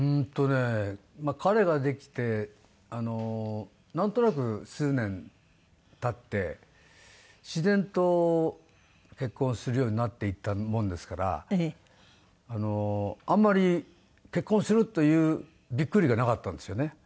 彼ができてなんとなく数年経って自然と結婚するようになっていったもんですからあんまり結婚するというびっくりがなかったんですよね。